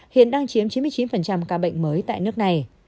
hiện đang chiếm chín mươi chín ca bệnh mới tại nước này